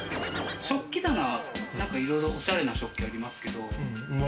食器棚、いろいろ、おしゃれな食器がありますけれども。